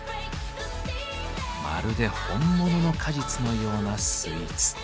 まるで本物の果実のようなスイーツ。